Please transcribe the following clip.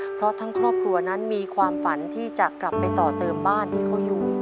เพราะทั้งครอบครัวนั้นมีความฝันที่จะกลับไปต่อเติมบ้านที่เขาอยู่